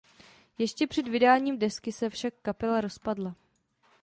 Ještě před vydáním desky se však kapela rozpadla.